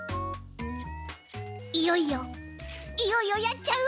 いよいよいよいよやっちゃう？